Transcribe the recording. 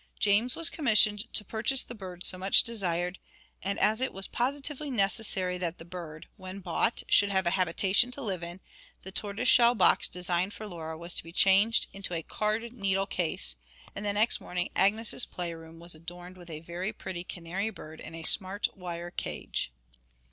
James was commissioned to purchase the bird so much desired, and as it was positively necessary that the bird, when bought, should have a habitation to live in, the tortoiseshell box designed for Laura was to be changed into a card needle case, and the next morning Agnes's play room was adorned with a very pretty canary bird in a smart wire cage.